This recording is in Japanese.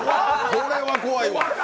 これは怖いわ。